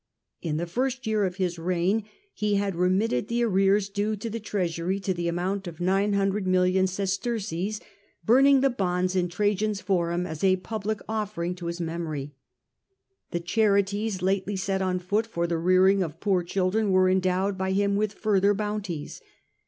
In the good first year of his reign he had remitted the finance, arrears due to the treasury to the amount of 900 million sesterces, burning the bonds in Trajan^s forum as a public offering to his memory. The charities lately set on foot for the rearing of poor children were endowed by him with further bounties.